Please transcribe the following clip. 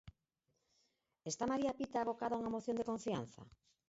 Está María Pita abocada a unha moción de confianza?